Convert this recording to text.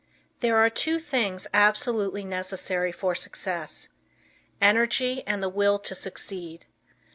There are two things absolutely necessary for success energy and the will to succeed.